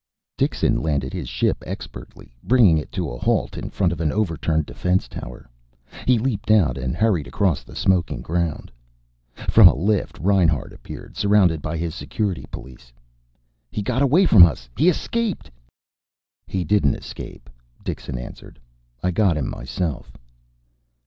Dixon landed his ship expertly, bringing it to a halt in front of an overturned defense tower. He leaped out and hurried across the smoking ground. From a lift Reinhart appeared, surrounded by his Security police. "He got away from us! He escaped!" "He didn't escape," Dixon answered. "I got him myself."